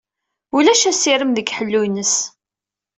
Ulac asirem deg ḥellu-ines.